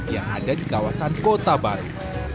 yang ada di kawasan kota baru